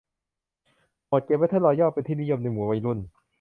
โหมดเกมแเบทเทิลรอยัลเป็นที่นิยมในหมู่วัยรุ่น